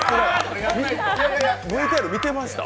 ＶＴＲ、見てました？